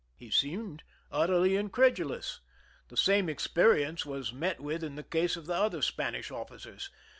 He seemed utterly incredulous. The same ex perience was met with in the case of the other Spanish officers.